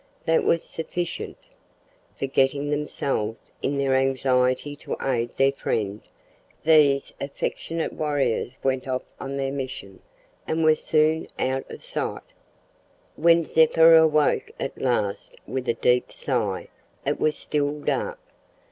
That was sufficient. Forgetting themselves in their anxiety to aid their friend, these affectionate warriors went off on their mission, and were soon out of sight. When Zeppa awoke at last with a deep sigh, it was still dark.